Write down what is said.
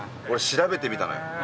俺調べてみたのよ。